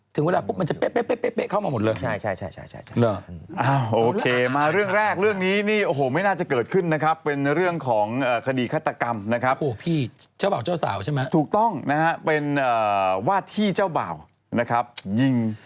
ถึงเวลาปุ๊บมันจะเป๊ะเข้ามาหมดเลย